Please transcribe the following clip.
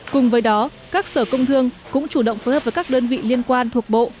cùng với đó các sở công thương cũng chủ động phối hợp với các đơn vị liên quan thuộc bộ